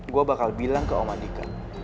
gua bakal bilang ke om andika